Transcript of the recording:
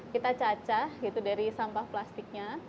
kita cacah gitu dari sampah plastiknya